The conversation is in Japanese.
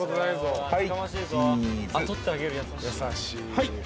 はい。